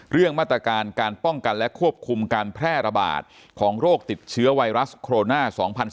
เรื่องมาตรการการป้องกันและควบคุมการแพร่ระบาดของโรคติดเชื้อไวรัสโคโรนา๒๐๑๙